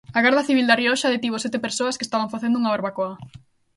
A Garda Civil da Rioxa detivo sete persoas que estaban facendo unha barbacoa.